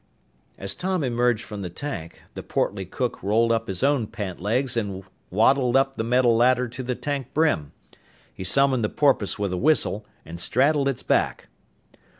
As Tom emerged from the tank, the portly cook rolled up his own pantlegs and waddled up the metal ladder to the tank brim. He summoned the porpoise with a whistle and straddled its back.